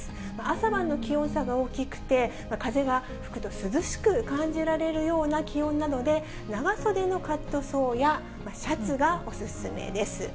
朝晩の気温差が大きくて、風が吹くと涼しく感じられるような気温なので、長袖のカットソーやシャツがお勧めです。